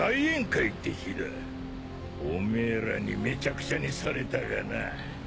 お前らにめちゃくちゃにされたがな。